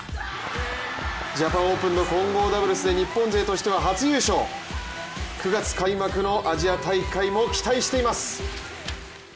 ジャパンオープンの混合ダブルスで日本勢としては初優勝、９月開幕のアジア大会も期待しています。